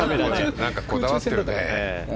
何かこだわってるね。